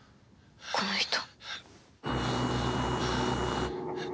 この人。